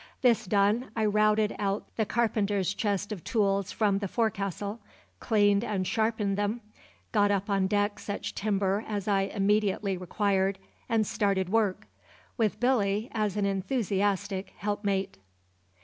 This done, I routed out the carpenter's chest of tools from the forecastle, cleaned and sharpened them, got up on deck such timber as I immediately required, and started work, with Billy as an enthusiastic helpmate.